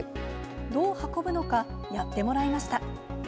どう運ぶのか、やってもらいました。